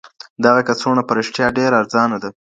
دغه کڅوڼه په رښتیا ډېره ارزانه ده.